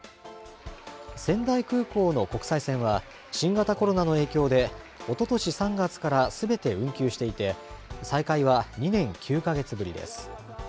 仙台空港の国際線は、新型コロナの影響で、おととし３月からすべて運休していて、再開は２年９か月ぶりです。